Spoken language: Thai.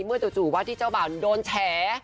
เมื่อจู่ว่าที่เจ้าบ่าวนี้โดนแฉะ